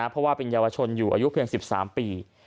เพราะว่าเป็นเยาวชนอยู่อายุเพียง๑๓ปี